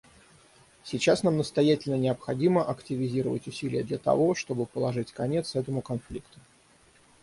Сейчас нам настоятельно необходимо активизировать усилия для того, чтобы положить конец этому конфликту.